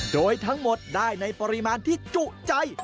โดยทั้งหมดได้ในปริมาณที่จุใจ